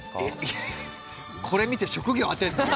これ見て職業を当てるの？